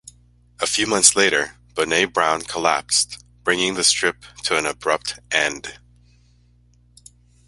A few months later, Bonnet-Brown collapsed, bringing the strip to an abrupt end.